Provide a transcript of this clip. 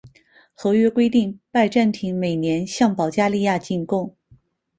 合约规定拜占庭每年向保加利亚进贡。